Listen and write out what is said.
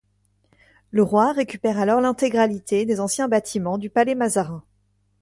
Le roi récupère alors l'intégralité des anciens bâtiments du palais Mazarin.